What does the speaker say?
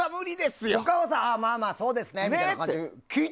他は、まあまあそうですね。